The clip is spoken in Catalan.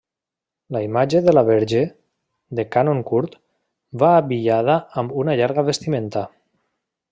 La imatge de la verge, de cànon curt, va abillada amb una llarga vestimenta.